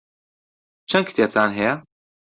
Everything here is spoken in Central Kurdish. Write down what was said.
چەند کتێبتان هەیە؟